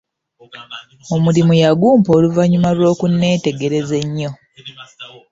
Omulimu yagumpa oluvanyuma lw'okuneetegereza ennyo.